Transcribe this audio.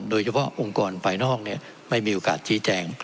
โดยเฉพาะองค์กรภายนอกไม่มีโอกาสชี้แจง